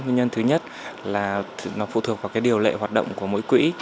nguyên nhân thứ nhất là nó phụ thuộc vào cái điều lệ hoạt động của mỗi quỹ